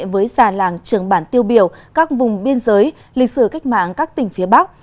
với già làng trường bản tiêu biểu các vùng biên giới lịch sử cách mạng các tỉnh phía bắc